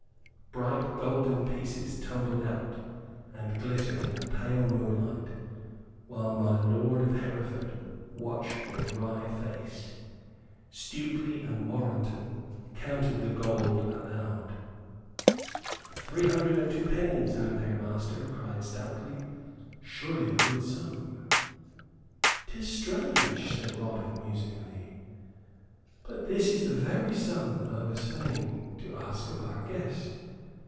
Bright golden pieces tumbled out and glittered in the pale moonlight; while my lord of Hereford watched with wry face. Stuteley and Warrenton counted the gold aloud. "Three hundred and two pennies are there, master," cried Stuteley. "Surely a good sum!" "'Tis strange," said Robin, musingly, "but this is the very sum that I was fain to ask of our guest."